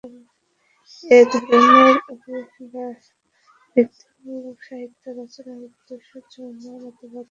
এই ধরনের ভক্তিমূলক সাহিত্য রচনার উদ্দেশ্য জৈন মতবাদকে জনসাধারণের বোধগম্য করে তোলা।